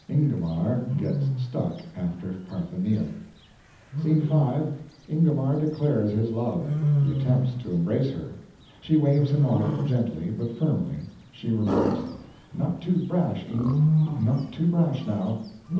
Ingomar gets stuck after Parthenia. Scene 5.—Ingomar declares his love—he attempts to embrace her—she waves him off, gently, but firmly—she remarks, "Not too brash, Ing., not too brash, now!"